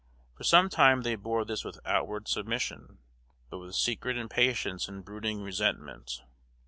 For some time they bore this with outward submission, but with secret impatience and brooding resentment.